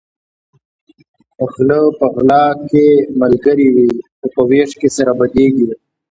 غلۀ په غلا کې ملګري وي خو په وېش کې سره بدیږي